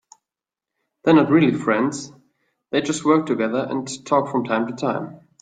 They are not really friends, they just work together and talk from time to time.